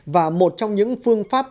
và một trong những phương tiện của quốc gia